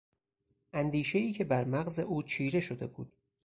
اندیشهای که برمغز او چیره شده بود.